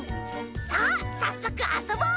さあさっそくあそぼう！